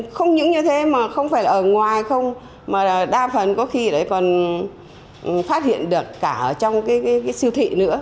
không những như thế mà không phải ở ngoài không mà đa phần có khi còn phát hiện được cả ở trong cái siêu thị nữa